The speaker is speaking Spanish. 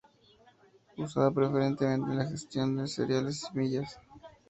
Usada preferentemente en la gestión de cereales y semillas.